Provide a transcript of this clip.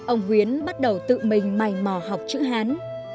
ông huyến bắt đầu tự mình mày mò học chữ hán